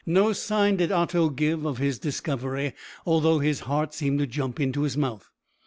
No sign did Otto give of his discovery, although his heart seemed to jump into his mouth.